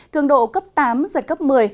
cường độ cấp tám giật cấp một mươi